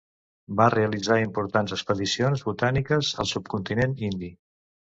Va realitzar importants expedicions botàniques al subcontinent indi.